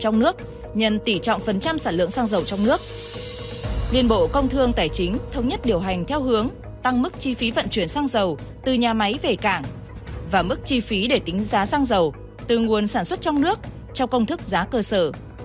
liên bộ công thương tài chính thống nhất điều hành theo hướng tăng mức chi phí vận chuyển xăng dầu từ nhà máy về cảng và mức chi phí để tính giá xăng dầu từ nguồn sản xuất trong nước cho công thức giá cơ sở